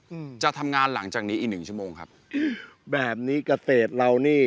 อืมจะทำงานหลังจากนี้อีกหนึ่งชั่วโมงครับอืมแบบนี้เกษตรเรานี่